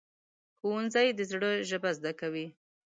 ښوونځی د زړه ژبه زده کوي